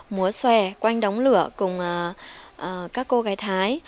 mùa xòe quanh đóng lửa cùng các cô gái thái